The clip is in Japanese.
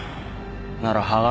なら歯型？